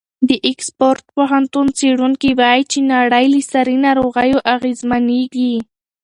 د اکسفورډ پوهنتون څېړونکي وایي چې نړۍ له ساري ناروغیو اغېزمنېږي.